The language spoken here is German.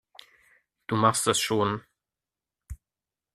Du machst das schon.